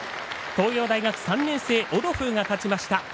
東洋大学３年生オドフーが勝ちました。